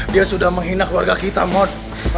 dia sudah menghina keluarga kita mohon